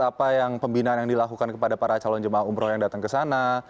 apa yang pembinaan yang dilakukan kepada para calon jamaah umroh yang datang kesana